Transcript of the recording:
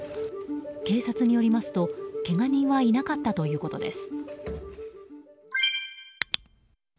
警察によりますと、けが人はいなかったということです。